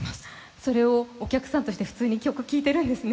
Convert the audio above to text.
それをお客さんとして普通に曲を聴いているんですね。